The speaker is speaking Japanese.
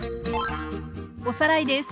おさらいです。